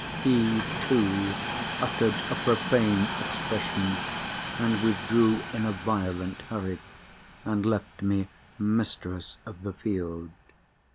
He too uttered a profane expression, and withdrew in a violent hurry, and left me mistress of the field.